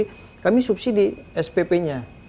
pasta biaya tinggi kami subsidi spp nya